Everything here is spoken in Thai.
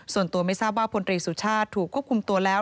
ส่วนตัวไม่ทราบว่าพลตรีสุชาติถูกควบคุมตัวแล้ว